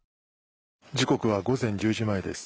時刻は午前１０時前です。